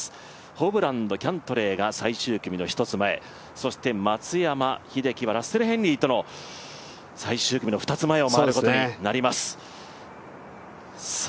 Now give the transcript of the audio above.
ホブランド、キャントレーが最終組の１つ前、そして松山英樹はラッセル・ヘンリーと最終組の２つ前を回ることになります。